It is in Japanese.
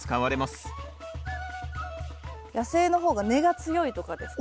野生の方が根が強いとかですかね。